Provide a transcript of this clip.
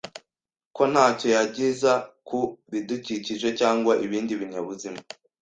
ko ntacyo yangiza ku bidukikije cyangwa ibindi binyabuzima.